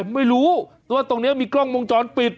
ไม่รู้ว่าตรงนี้มีกล้องวงจรปิด